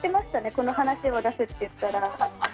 この話を出すって言ったら。